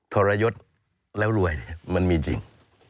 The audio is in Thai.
ทรยศแล้วรวยมันมีจริง